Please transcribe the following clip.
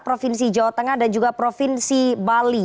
provinsi jawa tengah dan juga provinsi bali